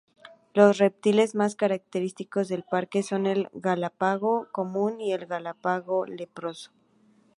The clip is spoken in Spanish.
Los reptiles más característicos del parque son el galápago común y el galápago leproso.